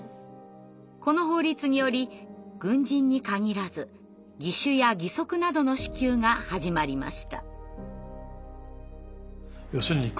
この法律により軍人に限らず義手や義足などの支給が始まりました。